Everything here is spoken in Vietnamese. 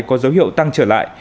có dấu hiệu tăng trở lại